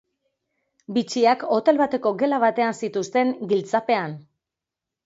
Bitxiak hotel bateko gela batean zituzten, giltzapean.